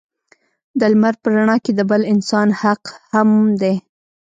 د لمر په رڼا کې د بل انسان حق هم دی.